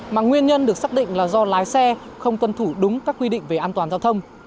mà nguyên nhân được xác định là do lái xe không tuân thủ đúng các quy định về an toàn giao thông